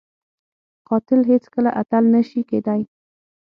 قاتل هیڅ کله اتل نه شي کېدای